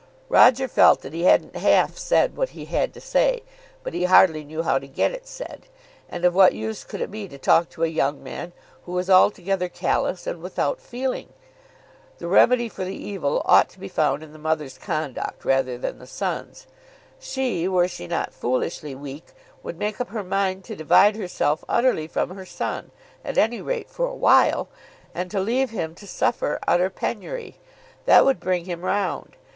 Roger felt that he hadn't half said what he had to say, but he hardly knew how to get it said. And of what use could it be to talk to a young man who was altogether callous and without feeling? The remedy for the evil ought to be found in the mother's conduct rather than the son's. She, were she not foolishly weak, would make up her mind to divide herself utterly from her son, at any rate for a while, and to leave him to suffer utter penury. That would bring him round.